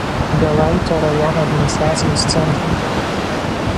Belaito rajono administracinis centras.